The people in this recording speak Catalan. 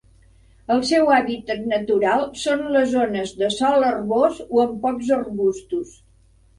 El seu hàbitat natural són les zones de sòl herbós o amb pocs arbustos.